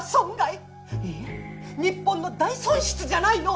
いいえ日本の大損失じゃないの！